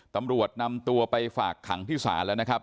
ตำรวจนำตัวไปฝากขังที่ศาลแล้วนะครับ